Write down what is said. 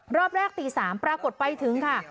รอบแรกตี๓ปรากฏไปถึงค่ะ